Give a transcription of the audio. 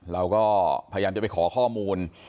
เราก็พยายามจะไปขอข้อมูล